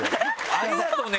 ありがとうね